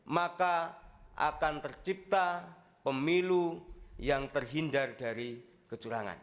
maka akan tercipta pemilu yang terhindar dari kecurangan